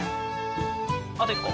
あと１個？